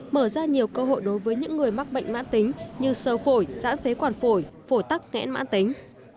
mở ra nhiều cơ hội đối với những người mắc bệnh mãn tính như sơ phổi giãn phế quản phổi phổi tắc nghẽn mãn tính